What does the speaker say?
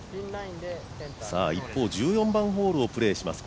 一方、１４番ホールをプレーします